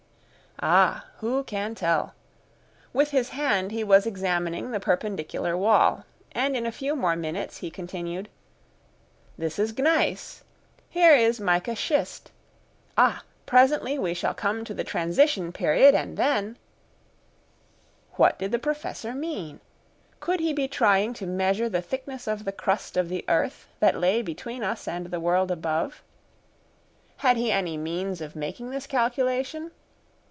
Ah! who can tell? With his hand he was examining the perpendicular wall, and in a few more minutes he continued: "This is gneiss! here is mica schist! Ah! presently we shall come to the transition period, and then " What did the Professor mean? Could he be trying to measure the thickness of the crust of the earth that lay between us and the world above? Had he any means of making this calculation?